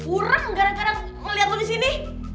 ureng gara gara melihat lo disini